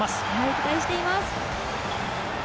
期待しています！